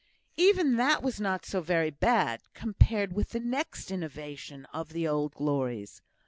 Even that was not so very bad, compared with the next innovation on the old glories.